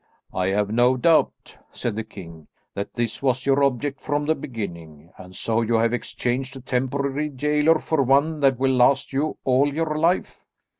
"I have no doubt," said the king, "that this was your object from the beginning. And so you have exchanged a temporary gaoler for one that will last you all your life."